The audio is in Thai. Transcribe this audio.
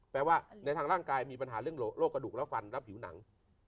แปลว่าในทางร่างกายมีปัญหาเรื่องโรคกระดูกและฟันและผิวหนัง